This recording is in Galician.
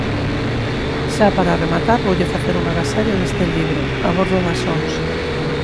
Xa para rematar, voulle facer un agasallo deste libro, "A bordo das Ons".